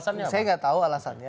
saya nggak tahu alasannya